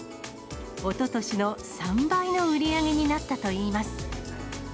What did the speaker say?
おととしの３倍の売り上げになったといいます。